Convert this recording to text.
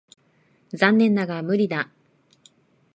残念だが無理だ。